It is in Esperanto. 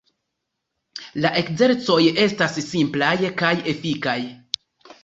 La ekzercoj estas simplaj kaj efikaj.